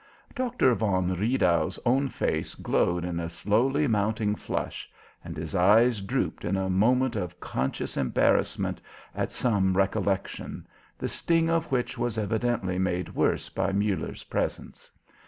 Doctor von Riedau's own face glowed in a slowly mounting flush, and his eyes drooped in a moment of conscious embarrassment at some recollection, the sting of which was evidently made worse by Muller's presence.